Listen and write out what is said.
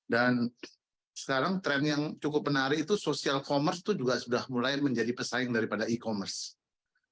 dan sekarang tren yang cukup menarik itu sosial commerce itu juga sudah mulai menjadi pesaing daripada e commerce